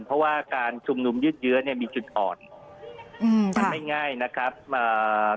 เพราะว่าการชุมนุมยืดเยื้อเนี้ยมีจุดอ่อนอืมมันไม่ง่ายนะครับอ่า